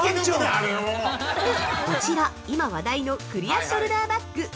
こちら、今話題のクリアショルダーバッグ。